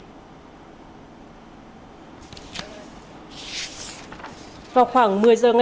cảnh sát kinh tế vừa ra quyết định tạm giữ hơn một mươi tám mét khối gỗ